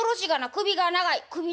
首が長い首長鳥。